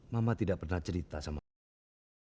mama tidak pernah cerita sama mama